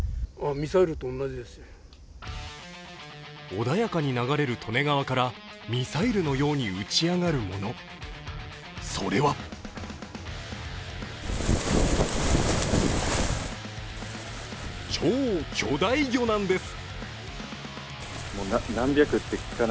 穏やかに流れる利根川からミサイルのように打ち上がるものそれは超巨大魚なんです。